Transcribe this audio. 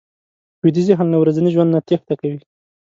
ویده ذهن له ورځني ژوند نه تېښته کوي